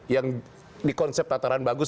yang di konsep tataran bagus